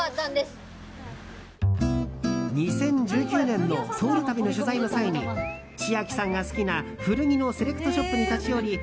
２０１９年のソウル旅の取材の際に千秋さんが好きな古着のセレクトショップに立ち寄り